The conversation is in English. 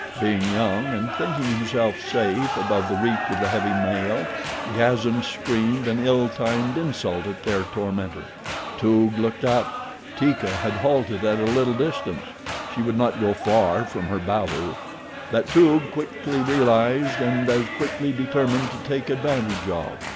Being young, and thinking himself safe above the reach of the heavy male, Gazan screamed an ill timed insult at their tormentor. Toog looked up. Teeka had halted at a little distance she would not go far from her balu; that Toog quickly realized and as quickly determined to take advantage of.